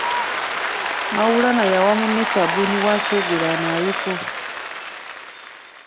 Maulana yawa munne ssabbuuni wa Kyogero anaabeko.